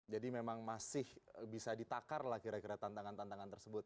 jadi memang masih bisa ditakar lah kira kira tantangan